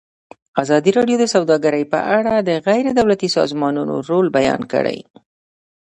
ازادي راډیو د سوداګري په اړه د غیر دولتي سازمانونو رول بیان کړی.